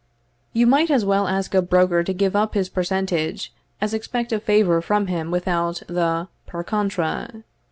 ] You might as well ask a broker to give up his percentage, as expect a favour from him without the _per contra.